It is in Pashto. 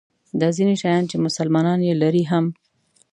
دا ځیني شیان چې مسلمانان یې لري هم.